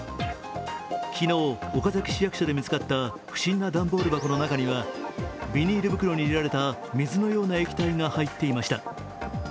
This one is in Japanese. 昨日、岡崎市役所で見つかった不審な段ボール箱の中には、ビニール袋に入れられた水のような液体が入っていました。